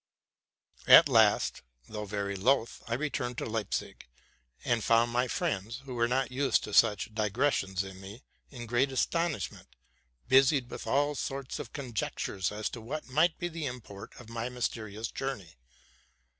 At last, though very loath, I returned to Leipzig, and found my friends, who were not used to such digressions in me, in great astonishment, busied with all sorts of conjectures as to what might be the import of my mysterious journey.